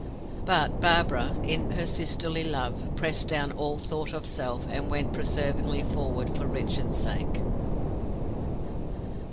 But Barbara, in her sisterly love, pressed down all thought of self, and went perseveringly forward for Richard's sake.